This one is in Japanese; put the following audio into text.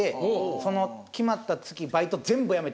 その決まった月バイト全部辞めて。